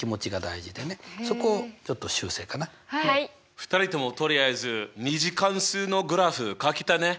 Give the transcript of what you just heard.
２人ともとりあえず２次関数のグラフかけたね！